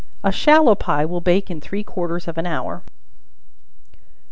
A shallow pie will bake in three quarters of an hour.